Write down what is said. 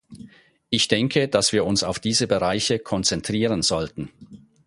Ich denke, dass wir uns auf diese Bereiche konzentrieren sollten.